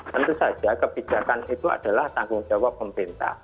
tentu saja kebijakan itu adalah tanggung jawab pemerintah